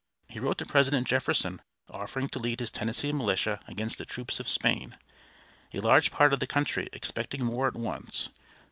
He wrote to President Jefferson offering to lead his Tennessee militia against the troops of Spain. A large part of the country expected war at once.